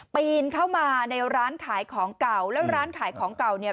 ปีนเข้ามาในร้านขายของเก่าแล้วร้านขายของเก่าเนี่ย